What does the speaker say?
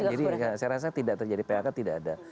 jadi saya rasa tidak terjadi phk tidak ada